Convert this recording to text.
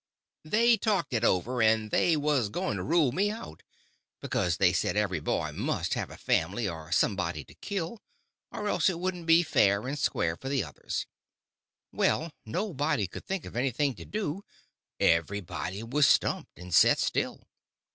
They talked it over, and they was going to rule me out, because they said every boy must have a family or somebody to kill, or else it wouldn't be fair and square for the others. Well, nobody could think of anything to do—everybody was stumped, and set still.